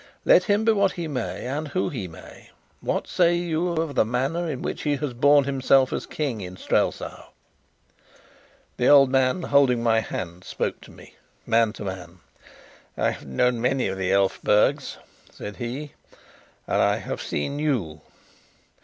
Let him be what he may, and who he may, what say you of the manner in which he has borne himself as King in Strelsau?" The old man, holding my hand, spoke to me, man to man. "I have known many of the Elphbergs," said he, "and I have seen you.